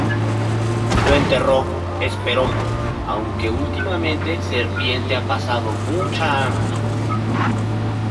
Lo enterró, espero; aunque últimamente Serpiente ha pasado mucha hambre.